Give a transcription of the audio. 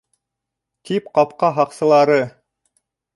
Тик ҡапҡа һаҡсылары: